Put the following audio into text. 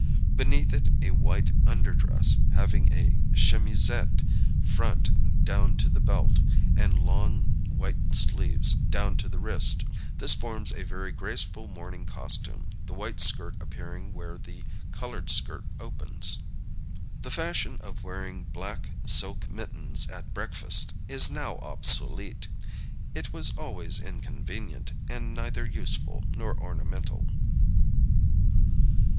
Beneath it a white under dress, having a chemisette front down to the belt, and long white sleeves down to the wrist. This forms a very graceful morning costume, the white skirt appearing where the colored skirt opens. The fashion of wearing black silk mittens at breakfast is now obsolete. It was always inconvenient, and neither useful nor ornamental.